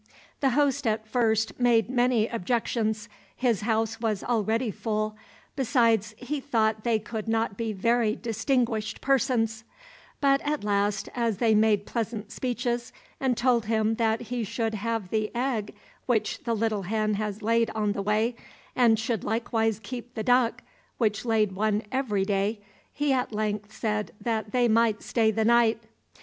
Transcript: The host at first made many objections, his house was already full, besides he thought they could not be very distinguished persons; but at last, as they made pleasant speeches, and told him that he should have the egg which the little hen has laid on the way, and should likewise keep the duck, which laid one every day, he at length said that they might stay the night.